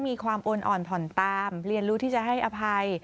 มีความโอนอ่อนผ่อนตามเรียนรู้ที่จะให้อภัย